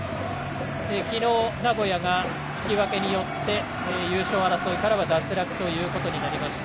昨日、名古屋が引き分けによって優勝争いから脱落となりました。